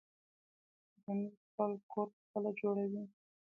غڼې خپل کور پخپله جوړوي